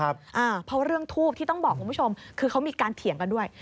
เพราะเรื่องทูบที่ต้องบอกคุณผู้ชมคือเขามีการเถียงกันด้วย